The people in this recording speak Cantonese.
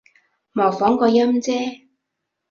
模仿個音啫